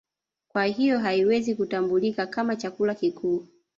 Kwa hiyo haiwezi kutambulika kama chakula kikuu